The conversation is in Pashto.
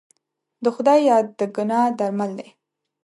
د خدای یاد د ګناه درمل دی.